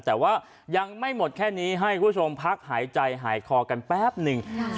แต่ว่ายังไม่หมดแค่นี้ให้คุณผู้ชมพักหายใจหายคอกันแป๊บหนึ่ง